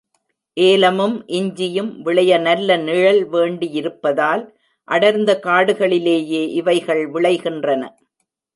ஏலமும், இஞ்சியும் விளைய நல்ல நிழல் வேண்டியிருப்பதால் அடர்ந்த காடுகளிலேயே இவைகள் விளைகின்றன.